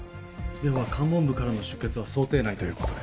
では肝門部からの出血は想定内ということで。